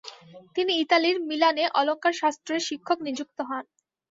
তিনি ইতালির মিলানে অলঙ্কারশাস্ত্রের শিক্ষক নিযুক্ত হন।